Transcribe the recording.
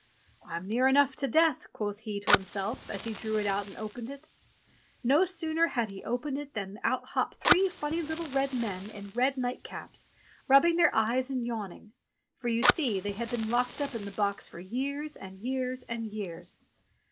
"I'm near enough to death," quoth he to himself, as he drew it out and opened it. And no sooner had he opened it than out hopped three funny little red men in red night caps rubbing their eyes and yawning ; for, see you, they had been locked up in the box for years, and years, and years.